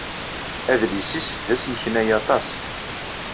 Adlis-is d asneknay aṭas.